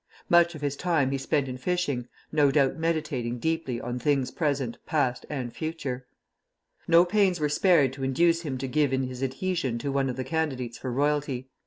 Much of his time he spent in fishing, no doubt meditating deeply on things present, past, and future. No pains were spared to induce him to give in his adhesion to one of the candidates for royalty.